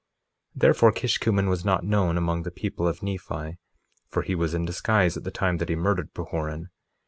1:12 Therefore, Kishkumen was not known among the people of Nephi, for he was in disguise at the time that he murdered Pahoran.